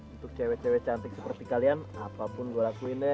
untuk cewek cewek cantik seperti kalian apapun gua lakuin deh